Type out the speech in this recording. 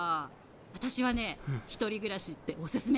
私はね１人暮らしっておすすめ。